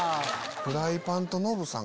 フライパンとノブさん